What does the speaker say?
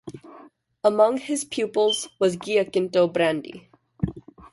Among his pupils was Giacinto Brandi.